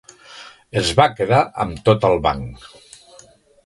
Es va quedar amb tot el banc.